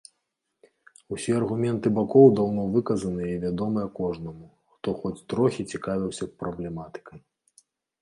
Усе аргументы бакоў даўно выказаныя і вядомыя кожнаму, хто хоць трохі цікавіўся праблематыкай.